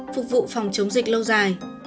phục vụ phòng chống dịch lâu dài